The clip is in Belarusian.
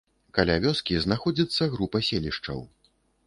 Каля вёскі знаходзіцца группа селішчаў.